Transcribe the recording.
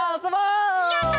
やった！